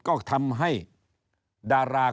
ก็ทำให้ดารา